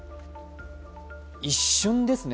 一瞬ですね。